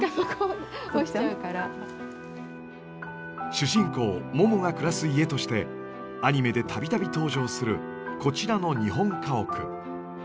主人公ももが暮らす家としてアニメで度々登場するこちらの日本家屋。